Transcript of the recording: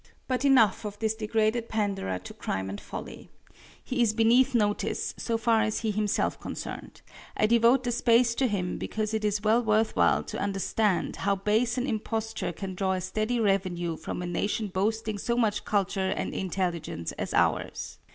But enough of this degraded panderer to crime and folly. He is beneath notice, so far as he himself concerned; I devote the space to him, because it is well worth while to understand how base an imposture can draw a steady revenue from a nation boasting so much culture and intelligence as ours.